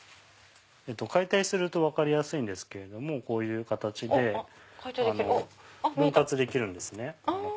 解体すると分かりやすいんですけれどもこういう形で分割できるんですね。